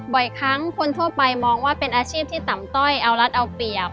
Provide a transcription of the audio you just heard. บ่อยครั้งคนทั่วไปมองว่าเป็นอาชีพที่ต่ำต้อยเอารัฐเอาเปรียบ